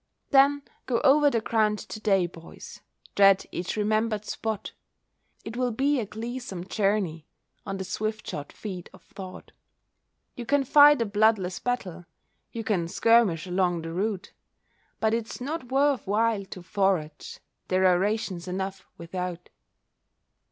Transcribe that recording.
Then go over the ground to day, boys Tread each remembered spot. It will be a gleesome journey, On the swift shod feet of thought; You can fight a bloodless battle, You can skirmish along the route, But it's not worth while to forage, There are rations enough without.